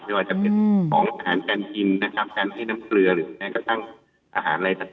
ไม่ว่าจะเป็นของอาหารการกินนะครับการให้น้ำเกลือหรือแม้กระทั่งอาหารอะไรต่าง